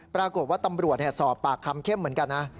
ปรากฏว่าตำรวจสอบปากคำเข้มเหมือนกันนะ